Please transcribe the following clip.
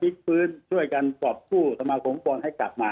ช่วยกันติ๊กปืนช่วยกันปลอบคู่สมาคมฟุตบอลให้กลับมา